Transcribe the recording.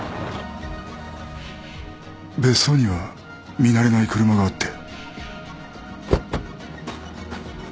別荘には見慣れない車があって。